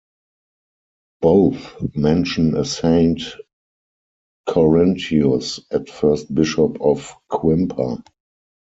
Both mention a Saint Chorentius as first Bishop of Quimper.